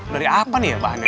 dari apa nih ya bahannya